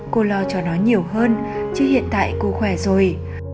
cô lo cho nó nhiều hơn chứ hiện tại cô khỏe rồi